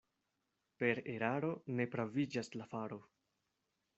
Per eraro ne praviĝas la faro.